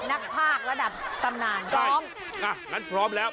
นักภาคระดับตำนานพร้อมอ่ะงั้นพร้อมแล้ว